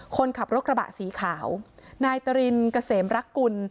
คนขับรถกระบะสีขาวนายตรินเกษมรักกุล